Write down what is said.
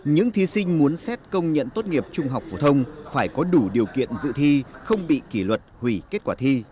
những thí sinh muốn xét công nhận tốt nghiệp trung học phổ thông phải có đủ điều kiện dự thi không bị kỷ luật hủy kết quả thi